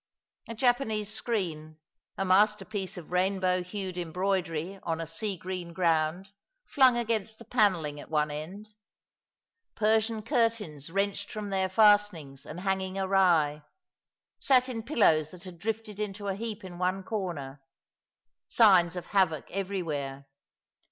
A Japanese screen, a masterpiece of rainbow hued embroidery on a sea green ground, flung against the panelling at one end — Persian curtains wrenched from their fasten ings and hanging awry— satin pillows that had drifted into a heap in one corner — signs of havoc everywhere.